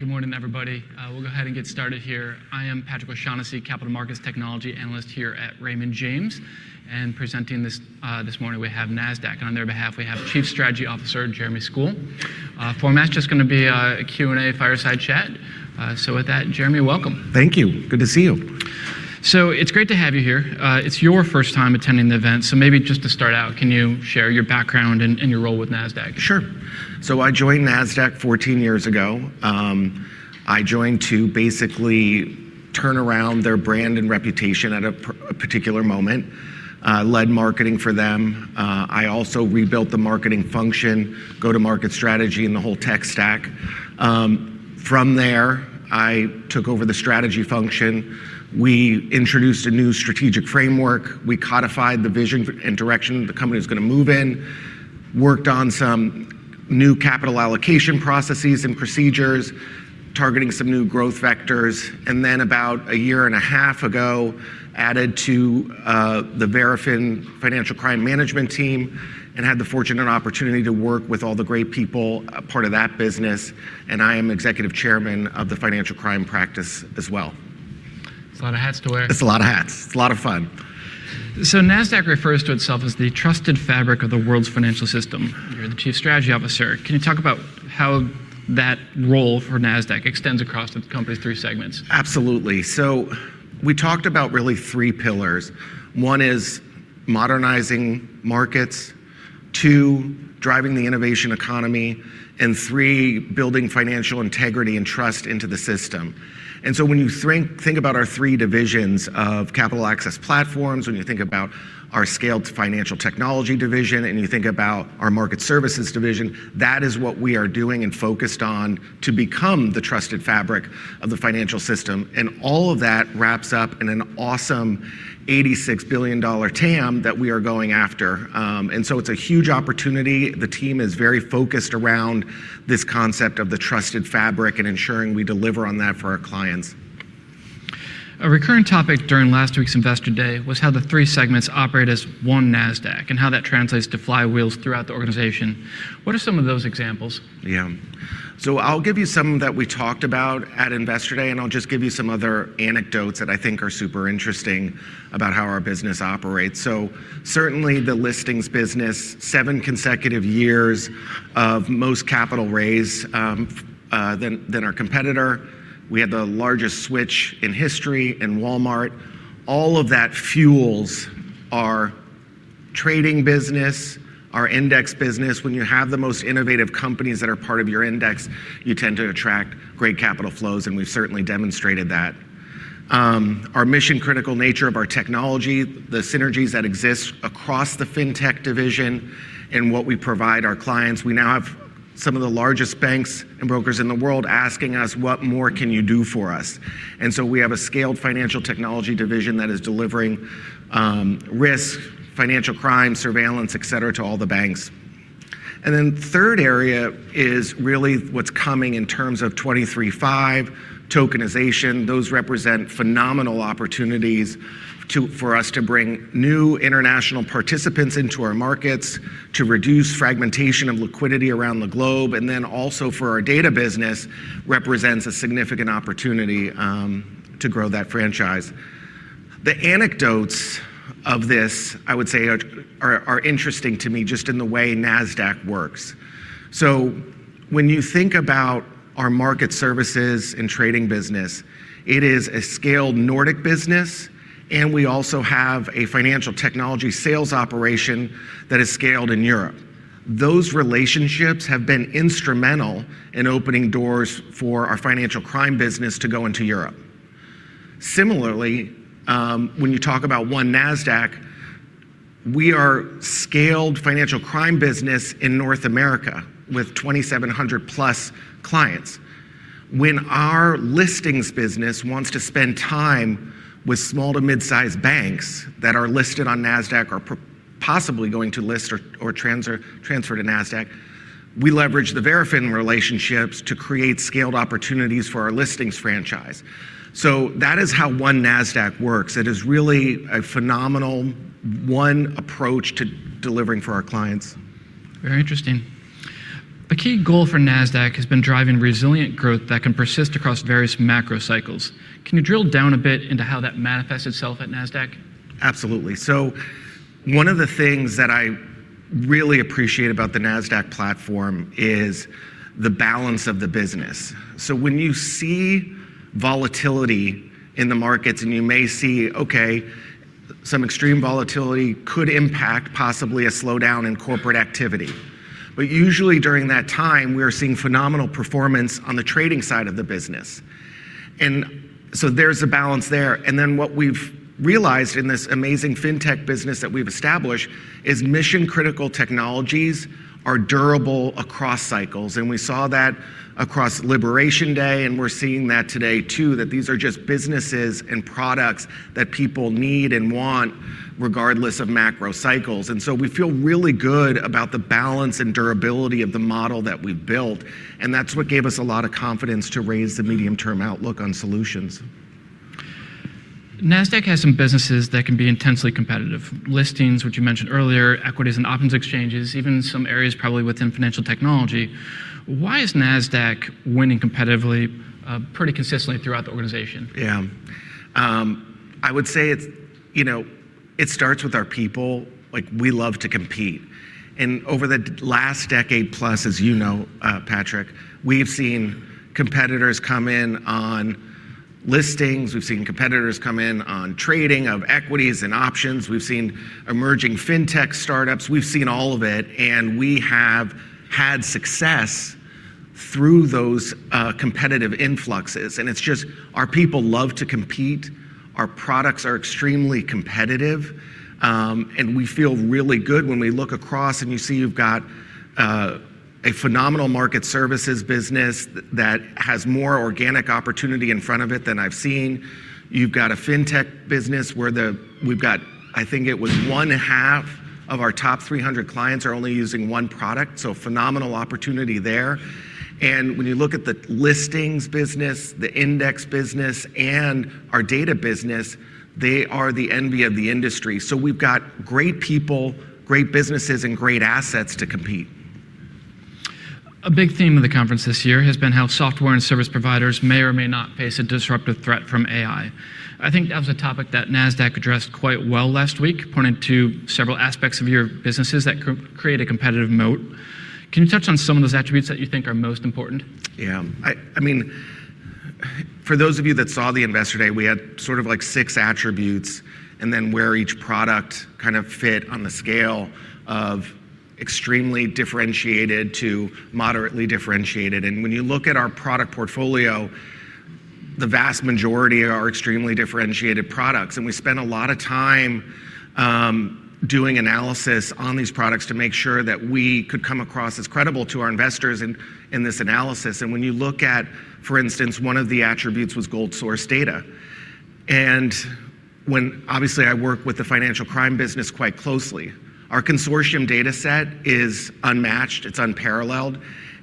Good morning, everybody. We'll go ahead and get started here. I am Patrick O'Shaughnessy, Capital Markets Technology Analyst here at Raymond James. Presenting this this morning we have Nasdaq, and on their behalf, we have Chief Strategy Officer, Jeremy Skule. Format's just gonna be a Q&A fireside chat. With that, Jeremy, welcome. Thank you. Good to see you. It's great to have you here. It's your first time attending the event, so maybe just to start out, can you share your background and your role with Nasdaq? Sure. I joined Nasdaq 14 years ago. I joined to basically turn around their brand and reputation at a particular moment. Led marketing for them. I also rebuilt the marketing function, go-to-market strategy, and the whole tech stack. From there, I took over the strategy function. We introduced a new strategic framework. We codified the vision and direction the company was going to move in, worked on some new capital allocation processes and procedures, targeting some new growth vectors, and then about a year and a half ago, added to the Verafin Financial Crime Management team and had the fortune and opportunity to work with all the great people, a part of that business, and I am Executive Chairman of the Financial Crime practice as well. It's a lot of hats to wear. It's a lot of hats. It's a lot of fun. Nasdaq refers to itself as the trusted fabric of the world's financial system. You're the Chief Strategy Officer. Can you talk about how that role for Nasdaq extends across the company's three segments? Absolutely. We talked about really 3 pillars. One is modernizing markets, two, driving the innovation economy, and three, building financial integrity and trust into the system. When you think about our 3 divisions of Capital Access Platforms, when you think about our scaled financial technology division, and you think about our Market Services division, that is what we are doing and focused on to become the trusted fabric of the financial system. All of that wraps up in an awesome $86 billion TAM that we are going after. It's a huge opportunity. The team is very focused around this concept of the trusted fabric and ensuring we deliver on that for our clients. A recurring topic during last week's Investor Day was how the three segments operate as One Nasdaq, and how that translates to flywheels throughout the organization. What are some of those examples? I'll give you some that we talked about at Investor Day, and I'll just give you some other anecdotes that I think are super interesting about how our business operates. Certainly the listings business, seven consecutive years of most capital raised than our competitor. We had the largest switch in history in Walmart. All of that fuels our trading business, our index business. When you have the most innovative companies that are part of your index, you tend to attract great capital flows, and we've certainly demonstrated that. Our mission-critical nature of our technology, the synergies that exist across the fintech division and what we provide our clients, we now have some of the largest banks and brokers in the world asking us, "What more can you do for us?" We have a scaled financial technology division that is delivering risk, financial crime, surveillance, et cetera, to all the banks. Third area is really what's coming in terms of 23/5 tokenization. Those represent phenomenal opportunities for us to bring new international participants into our markets to reduce fragmentation of liquidity around the globe, and then also for our data business represents a significant opportunity to grow that franchise. The anecdotes of this, I would say, are interesting to me just in the way Nasdaq works. When you think about our Market Services and trading business, it is a scaled Nordic business, and we also have a financial technology sales operation that is scaled in Europe. Those relationships have been instrumental in opening doors for our financial crime business to go into Europe. Similarly, when you talk about One Nasdaq, we are scaled financial crime business in North America with 2,700 plus clients. When our listings business wants to spend time with small to mid-size banks that are listed on Nasdaq or possibly going to list or transfer to Nasdaq, we leverage the Verafin relationships to create scaled opportunities for our listings franchise. That is how One Nasdaq works. It is really a phenomenal one approach to delivering for our clients. Very interesting. A key goal for Nasdaq has been driving resilient growth that can persist across various macro cycles. Can you drill down a bit into how that manifests itself at Nasdaq? Absolutely. One of the things that I really appreciate about the Nasdaq platform is the balance of the business. When you see volatility in the markets, and you may see, okay, some extreme volatility could impact possibly a slowdown in corporate activity. Usually during that time, we are seeing phenomenal performance on the trading side of the business. There's a balance there. What we've realized in this amazing fintech business that we've established is mission-critical technologies are durable across cycles. We saw that across Liberation Day, and we're seeing that today too, that these are just businesses and products that people need and want regardless of macro cycles. We feel really good about the balance and durability of the model that we've built, and that's what gave us a lot of confidence to raise the medium-term outlook on solutions. Nasdaq has some businesses that can be intensely competitive. Listings, which you mentioned earlier, equities and options exchanges, even some areas probably within financial technology. Why is Nasdaq winning competitively, pretty consistently throughout the organization? Yeah. I would say it's, you know, it starts with our people, like, we love to compete. Over the last decade plus, as you know, Patrick, we've seen competitors come in on listings, we've seen competitors come in on trading of equities and options. We've seen emerging fintech startups. We've seen all of it, we have had success through those competitive influxes. It's just our people love to compete, our products are extremely competitive, we feel really good when we look across, and you see you've got a phenomenal Market Services business that has more organic opportunity in front of it than I've seen. You've got a fintech business where we've got, I think it was 1/2 of our top 300 clients are only using one product, phenomenal opportunity there. When you look at the listings business, the index business, and our data business, they are the envy of the industry. We've got great people, great businesses, and great assets to compete. A big theme of the conference this year has been how software and service providers may or may not face a disruptive threat from AI. I think that was a topic that Nasdaq addressed quite well last week, pointing to several aspects of your businesses that create a competitive moat. Can you touch on some of those attributes that you think are most important? Yeah. I mean, for those of you that saw the Investor Day, we had sort of like 6 attributes, and then where each product kind of fit on the scale of extremely differentiated to moderately differentiated. When you look at our product portfolio, the vast majority are extremely differentiated products. We spent a lot of time doing analysis on these products to make sure that we could come across as credible to our investors in this analysis. When you look at, for instance, one of the attributes was golden source data. Obviously, I work with the financial crime business quite closely. Our consortium dataset is unmatched, it's unparalleled,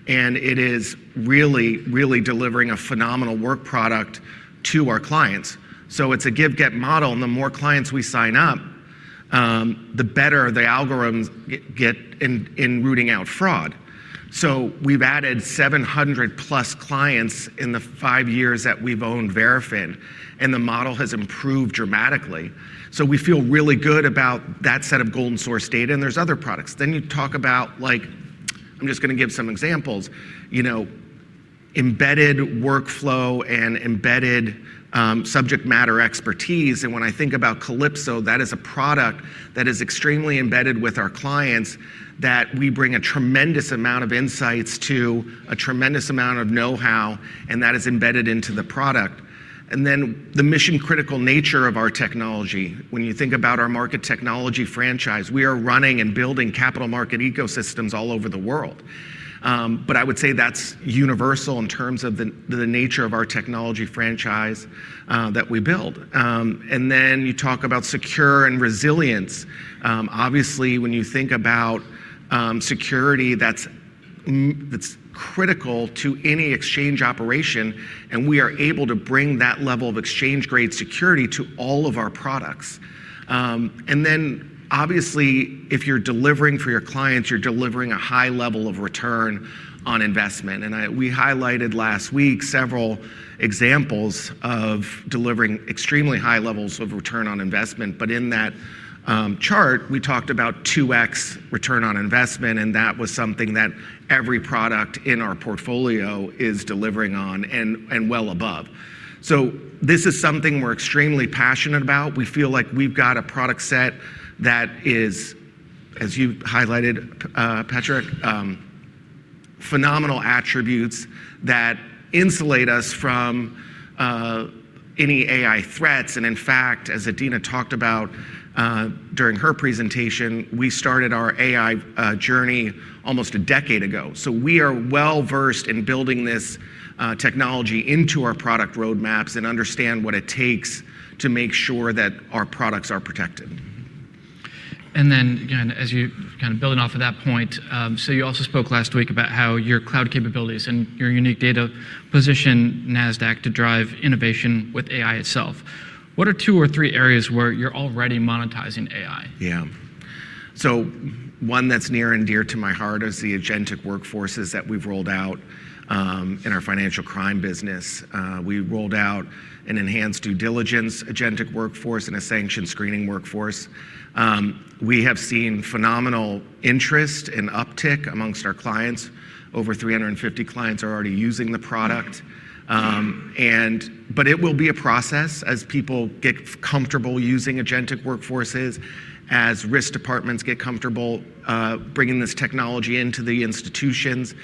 and it is really, really delivering a phenomenal work product to our clients. It's a give-get model, and the more clients we sign up, the better the algorithms get in rooting out fraud. We've added 700+ clients in the 5 years that we've owned Verafin, and the model has improved dramatically. We feel really good about that set of golden source data, and there's other products. You talk about, like, I'm just gonna give some examples. You know, embedded workflow and embedded subject matter expertise. When I think about Calypso, that is a product that is extremely embedded with our clients that we bring a tremendous amount of insights to, a tremendous amount of know-how, and that is embedded into the product. The mission-critical nature of our technology. When you think about our Market Technology franchise, we are running and building capital market ecosystems all over the world. I would say that's universal in terms of the nature of our technology franchise that we build. You talk about secure and resilience. Obviously, when you think about security that's critical to any exchange operation, and we are able to bring that level of exchange-grade security to all of our products. Obviously, if you're delivering for your clients, you're delivering a high level of ROI. We highlighted last week several examples of delivering extremely high levels of ROI. In that chart, we talked about 2x ROI, and that was something that every product in our portfolio is delivering on and well above. This is something we're extremely passionate about. We feel like we've got a product set that is, as you highlighted, Patrick, phenomenal attributes that insulate us from any AI threats. In fact, as Adena talked about during her presentation, we started our AI journey almost a decade ago. We are well-versed in building this technology into our product roadmaps and understand what it takes to make sure that our products are protected. Again, kind of building off of that point, you also spoke last week about how your cloud capabilities and your unique data position Nasdaq to drive innovation with AI itself. What are two or three areas where you're already monetizing AI? Yeah. One that's near and dear to my heart is the agentic workforces that we've rolled out in our financial crime business. We rolled out an enhanced due diligence agentic workforce and a sanction screening workforce. We have seen phenomenal interest and uptick amongst our clients. Over 350 clients are already using the product. It will be a process as people get comfortable using agentic workforces, as risk departments get comfortable bringing this technology into the institutions.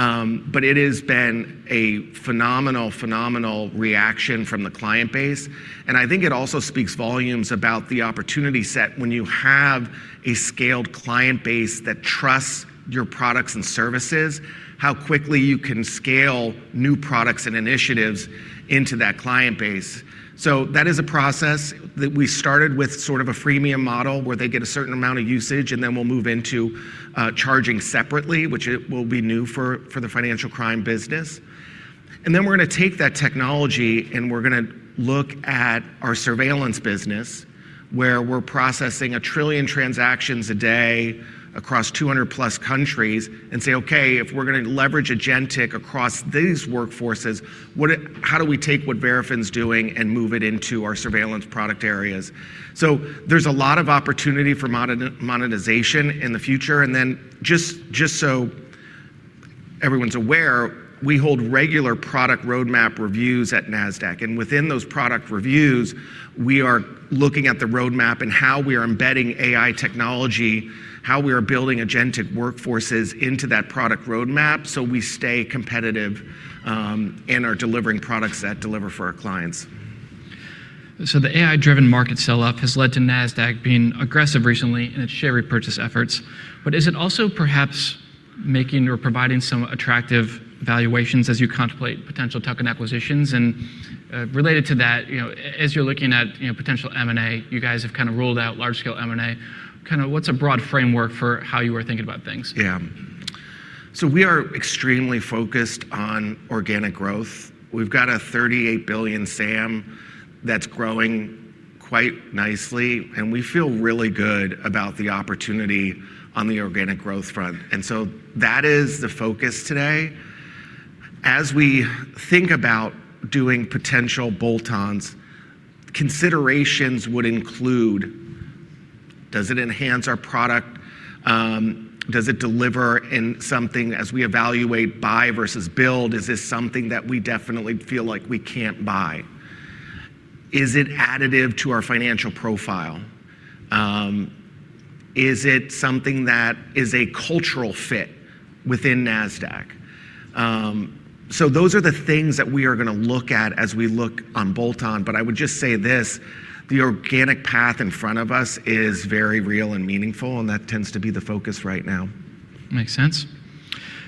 It has been a phenomenal reaction from the client base. I think it also speaks volumes about the opportunity set when you have a scaled client base that trusts your products and services, how quickly you can scale new products and initiatives into that client base. That is a process that we started with sort of a freemium model, where they get a certain amount of usage, and then we'll move into charging separately, which it will be new for the financial crime business. We're gonna take that technology, and we're gonna look at our surveillance business, where we're processing 1 trillion transactions a day across 200+ countries and say, "Okay, if we're gonna leverage agentic across these workforces, how do we take what Verafin's doing and move it into our surveillance product areas?" There's a lot of opportunity for monetization in the future. Just so everyone's aware, we hold regular product roadmap reviews at Nasdaq. Within those product reviews, we are looking at the roadmap and how we are embedding AI technology, how we are building agentic workforces into that product roadmap so we stay competitive and are delivering products that deliver for our clients. The AI-driven market sell-off has led to Nasdaq being aggressive recently in its share repurchase efforts. Is it also perhaps making or providing some attractive valuations as you contemplate potential tuck-in acquisitions? Related to that, you know, as you're looking at, you know, potential M&A, you guys have kind of ruled out large-scale M&A. Kinda what's a broad framework for how you are thinking about things? Yeah. We are extremely focused on organic growth. We've got a $38 billion SAM that's growing quite nicely, and we feel really good about the opportunity on the organic growth front. That is the focus today. As we think about doing potential bolt-ons, considerations would include, does it enhance our product? Does it deliver in something as we evaluate buy versus build? Is this something that we definitely feel like we can't buy? Is it additive to our financial profile? Is it something that is a cultural fit within Nasdaq? Those are the things that we are gonna look at as we look on bolt-on. I would just say this, the organic path in front of us is very real and meaningful, and that tends to be the focus right now. Makes sense.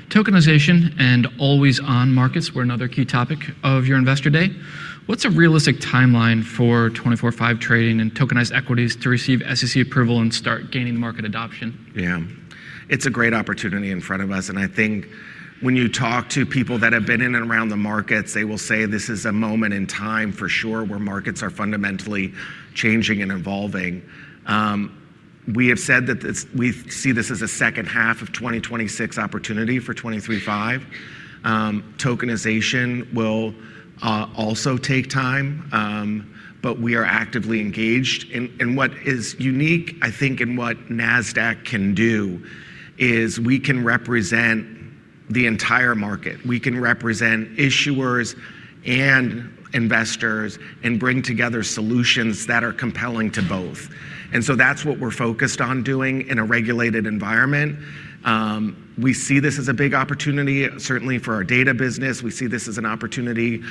Tokenization and always-on markets were another key topic of your Investor Day. What's a realistic timeline for 24/5 trading and tokenized equities to receive SEC approval and start gaining market adoption? Yeah. It's a great opportunity in front of us. I think when you talk to people that have been in and around the markets, they will say this is a moment in time for sure where markets are fundamentally changing and evolving. We have said that we see this as a second half of 2026 opportunity for 23/5. Tokenization will also take time. We are actively engaged. What is unique, I think, in what Nasdaq can do is we can represent the entire market. We can represent issuers and investors and bring together solutions that are compelling to both. That's what we're focused on doing in a regulated environment. We see this as a big opportunity certainly for our data business. We see this as an opportunity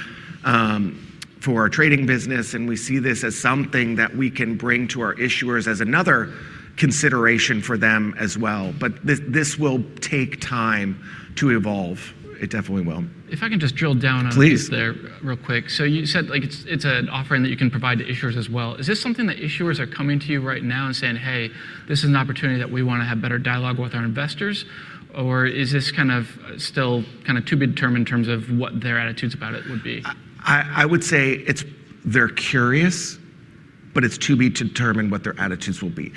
for our trading business. We see this as something that we can bring to our issuers as another consideration for them as well. This will take time to evolve. It definitely will. If I can just drill down on... Please. -this there real quick. You said like it's an offering that you can provide to issuers as well. Is this something that issuers are coming to you right now and saying, "Hey, this is an opportunity that we wanna have better dialogue with our investors"? Or is this kind of still kind of to be determined in terms of what their attitudes about it would be? I would say it's they're curious, but it's to be determined what their attitudes will be.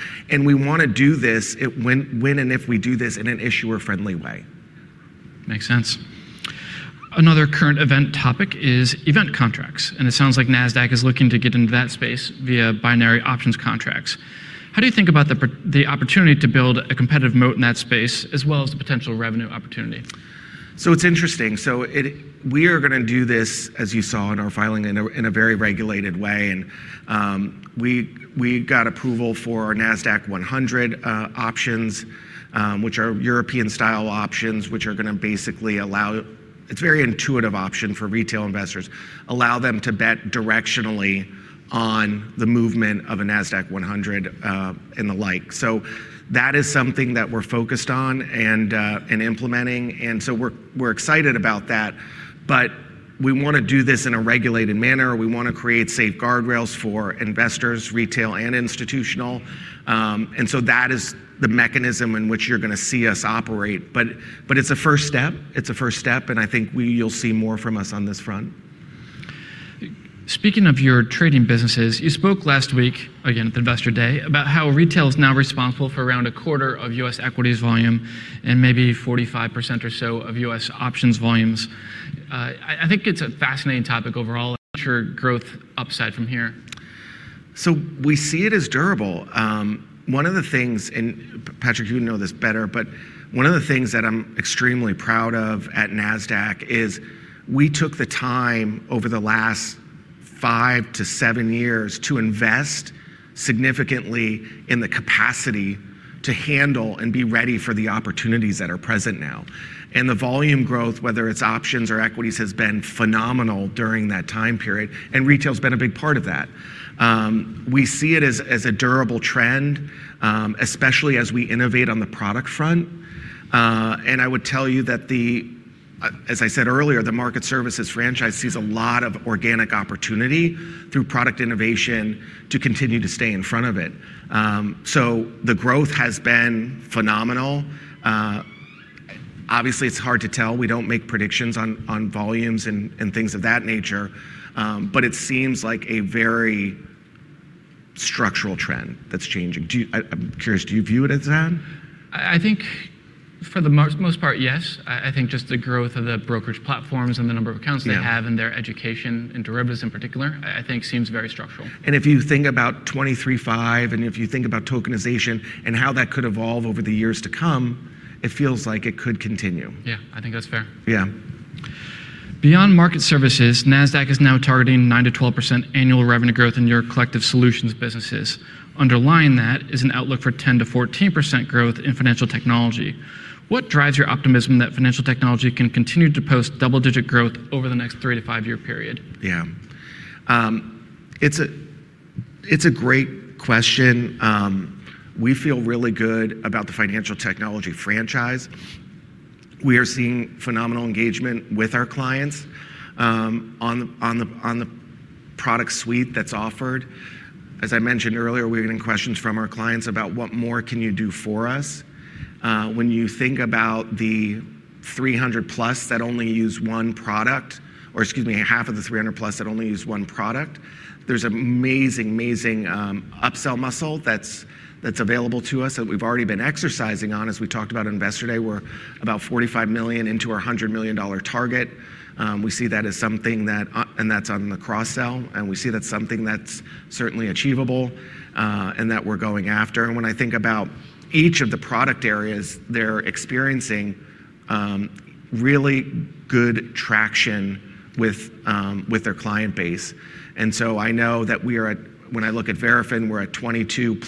We wanna do this when and if we do this in an issuer-friendly way. Makes sense. Another current event topic is event contracts, it sounds like Nasdaq is looking to get into that space via binary options contracts. How do you think about the opportunity to build a competitive moat in that space as well as the potential revenue opportunity? It's interesting. We are gonna do this, as you saw in our filing, in a very regulated way. We got approval for our Nasdaq-100 options, which are European-style options, which are gonna basically allow. It's very intuitive option for retail investors, allow them to bet directionally on the movement of a Nasdaq-100 and the like. That is something that we're focused on and implementing, and so we're excited about that. We wanna do this in a regulated manner. We wanna create safeguard rails for investors, retail and institutional. That is the mechanism in which you're gonna see us operate. It's a first step. It's a first step, and I think you'll see more from us on this front. Speaking of your trading businesses, you spoke last week, again at the Investor Day, about how retail is now responsible for around a quarter of U.S. equities volume and maybe 45% or so of U.S. options volumes. I think it's a fascinating topic overall. Future growth upside from here. We see it as durable. One of the things, and Patrick, you know this better, but one of the things that I'm extremely proud of at Nasdaq is we took the time over the last 5-7 years to invest significantly in the capacity to handle and be ready for the opportunities that are present now. The volume growth, whether it's options or equities, has been phenomenal during that time period, and retail's been a big part of that. We see it as a durable trend, especially as we innovate on the product front. I would tell you that the, as I said earlier, the Market Services franchise sees a lot of organic opportunity through product innovation to continue to stay in front of it. The growth has been phenomenal. Obviously it's hard to tell. We don't make predictions on volumes and things of that nature. It seems like a very structural trend that's changing. I'm curious, do you view it as that? I think for the most part, yes. I think just the growth of the brokerage platforms and the number of accounts. Yeah... they have and their education in derivatives in particular, I think seems very structural. If you think about 23/5, and if you think about tokenization and how that could evolve over the years to come, it feels like it could continue. Yeah, I think that's fair. Yeah. Beyond Market Services, Nasdaq is now targeting 9%-12% annual revenue growth in your collective solutions businesses. Underlying that is an outlook for 10%-14% growth in financial technology. What drives your optimism that financial technology can continue to post double digit growth over the next 3-5-year period? Yeah. It's a great question. We feel really good about the financial technology franchise. We are seeing phenomenal engagement with our clients on the product suite that's offered. As I mentioned earlier, we're getting questions from our clients about what more can you do for us? When you think about the 300+ that only use one product, or excuse me, half of the 300+ that only use one product, there's amazing upsell muscle that's available to us that we've already been exercising on. As we talked about in Investor Day, we're about $45 million into our $100 million target. We see that as something that, and that's on the cross-sell, and we see that's something that's certainly achievable, and that we're going after. When I think about each of the product areas, they're experiencing really good traction with their client base. When I look at Verafin, we're at 22+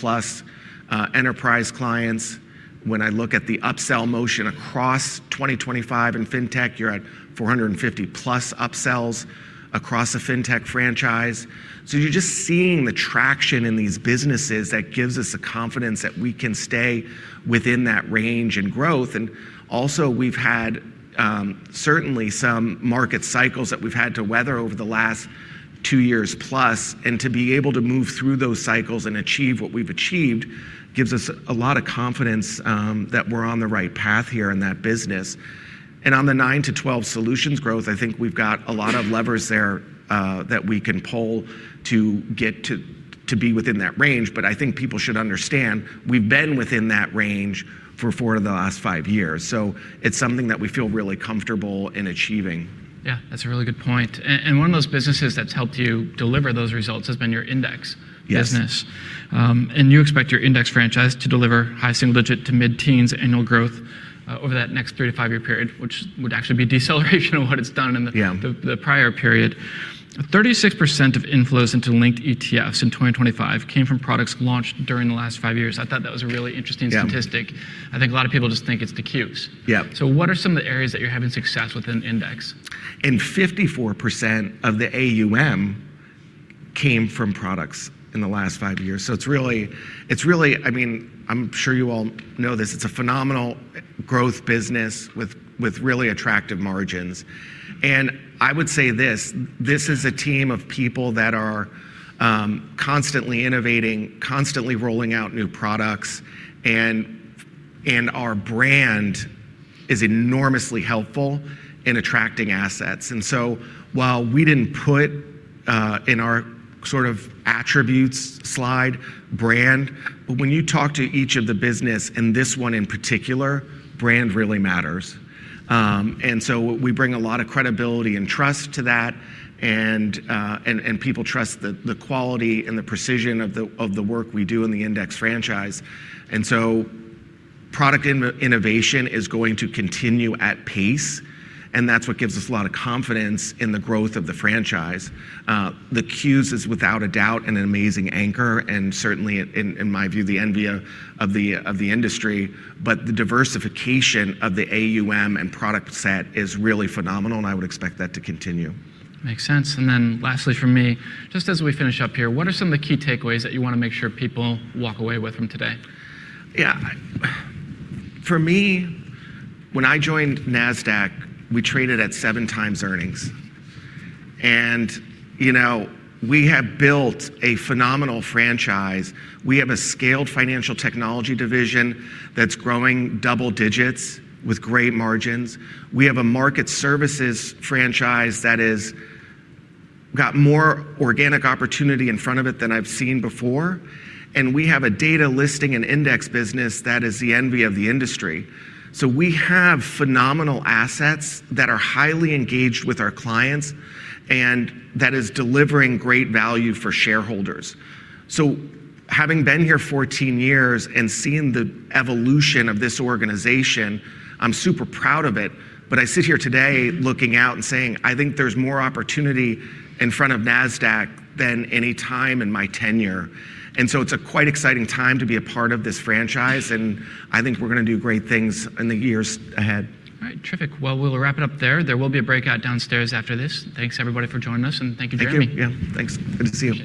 enterprise clients. When I look at the upsell motion across 2025 in fintech, you're at 450+ upsells across a fintech franchise. You're just seeing the traction in these businesses that gives us the confidence that we can stay within that range and growth. We've had certainly some market cycles that we've had to weather over the last two years plus, and to be able to move through those cycles and achieve what we've achieved gives us a lot of confidence that we're on the right path here in that business. On the 9%-12% solutions growth, I think we've got a lot of levers there that we can pull to get to be within that range. I think people should understand, we've been within that range for 4 of the last 5 years, so it's something that we feel really comfortable in achieving. Yeah, that's a really good point. And one of those businesses that's helped you deliver those results has been your index- Yes... business. you expect your index franchise to deliver high single-digit to mid-teens annual growth over that next 3-5 year period, which would actually be deceleration of what it's done in the- Yeah the prior period. 36% of inflows into linked ETFs in 2025 came from products launched during the last five years. I thought that was a really interesting statistic. Yeah. I think a lot of people just think it's the QQQ. Yeah. What are some of the areas that you're having success with in index? 54% of the AUM came from products in the last 5 years. I mean, I'm sure you all know this, it's a phenomenal growth business with really attractive margins. I would say this is a team of people that are constantly innovating, constantly rolling out new products, and our brand is enormously helpful in attracting assets. While we didn't put in our sort of attributes slide brand, but when you talk to each of the business, and this one in particular, brand really matters. We bring a lot of credibility and trust to that and people trust the quality and the precision of the work we do in the index franchise. product innovation is going to continue at pace, and that's what gives us a lot of confidence in the growth of the franchise. The QQQ is without a doubt an amazing anchor, and certainly in my view, the envy of the industry. The diversification of the AUM and product set is really phenomenal, and I would expect that to continue. Makes sense. Lastly from me, just as we finish up here, what are some of the key takeaways that you want to make sure people walk away with from today? For me, when I joined Nasdaq, we traded at 7 times earnings. You know, we have built a phenomenal franchise. We have a scaled financial technology division that's growing double digits with great margins. We have a Market Services franchise that is got more organic opportunity in front of it than I've seen before. We have a data listing and index business that is the envy of the industry. We have phenomenal assets that are highly engaged with our clients and that is delivering great value for shareholders. Having been here 14 years and seeing the evolution of this organization, I'm super proud of it. I sit here today looking out and saying, "I think there's more opportunity in front of Nasdaq than any time in my tenure." It's a quite exciting time to be a part of this franchise, and I think we're gonna do great things in the years ahead. All right. Terrific. Well, we'll wrap it up there. There will be a breakout downstairs after this. Thanks everybody for joining us. Thank you, Jeremy. Thank you. Yeah. Thanks. Good to see you.